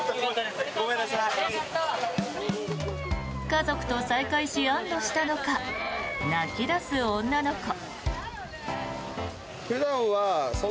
家族と再会し安どしたのか泣き出す女の子。